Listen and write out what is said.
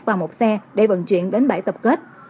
và một xe để vận chuyển đến bãi tập kết